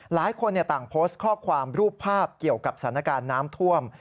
หลายคนต่างโพสต์ข้อความรูปภาพเกี่ยวกับสถานการณ์น้ำท่วม